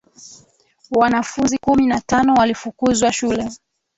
wanafunzi kumi na tano walifukuzwa shule